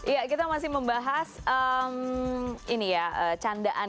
ya kita masih membahas ini ya candaan